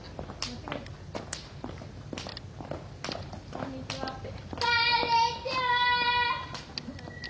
こんにちはって。